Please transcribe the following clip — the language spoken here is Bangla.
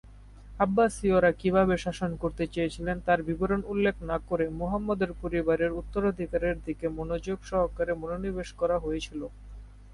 আব্বাসীয়রা কীভাবে শাসন করতে চেয়েছিল তার বিবরণ উল্লেখ না করে মুহাম্মদের পরিবারের উত্তরাধিকারের দিকে মনোযোগ সহকারে মনোনিবেশ করা হয়েছিল।